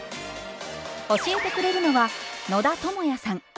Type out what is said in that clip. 教えてくれるのは野田智也さん。